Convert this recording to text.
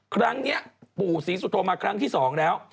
ครั้งนี้ปู่ศรีสุโธมาครั้งที่๒แล้ว